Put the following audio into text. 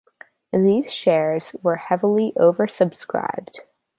These shares were heavily over-subscribed.